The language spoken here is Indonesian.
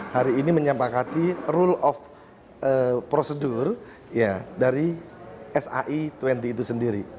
hari ini menyempakati rule of procedure dari sai dua puluh itu sendiri